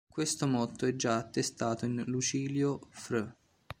Questo motto è già attestato in Lucilio, fr.